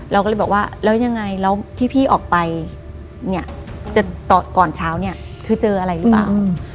เราก็เลยบอกว่าแล้วยังไงแล้วที่พี่ออกไปเนี่ยจะก่อนเช้าเนี่ยคือเจออะไรหรือเปล่า